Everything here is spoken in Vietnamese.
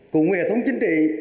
cùng nghệ thống chính trị